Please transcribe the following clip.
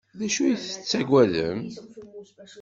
D acu ay tettaggadem?